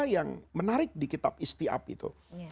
yang menarik di kitab istiap itu